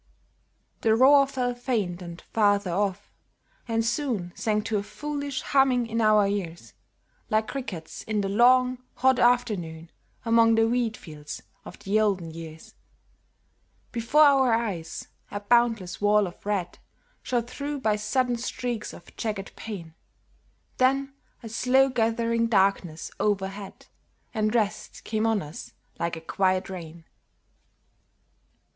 The roar fell faint and farther off, and soon Sank to a foolish humming in our ears, Like crickets in the long, hot afternoon Among the wheat fields of the olden years. Before our eyes a boundless wall of red Shot through by sudden streaks of jagged pain! Then a slow gathering darkness overhead And rest came on us like a quiet rain.